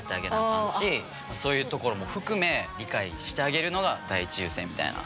かんしそういうところも含め理解してあげるのが第一優先みたいな。